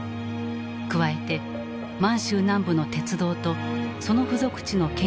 加えて満州南部の鉄道とその付属地の権益を得た。